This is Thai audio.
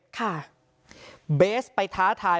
ค่ะเบสไปท้าทาย